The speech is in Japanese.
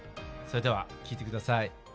それでは聴いてください。